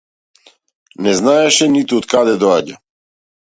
Не знаеше ниту од каде доаѓа.